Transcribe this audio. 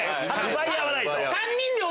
奪い合わないと。